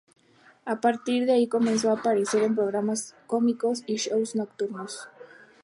A partir de ahí comenzó a aparecer en programas cómicos y shows nocturnos.